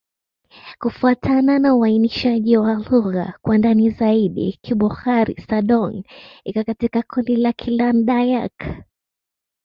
Kufuatana na uainishaji wa lugha kwa ndani zaidi, Kibukar-Sadong iko katika kundi la Kiland-Dayak.